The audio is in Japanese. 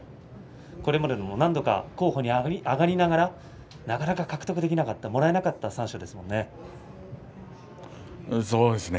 これまでも何度か候補に挙がりながらなかなか獲得できなかったもらえなかった三賞ですね。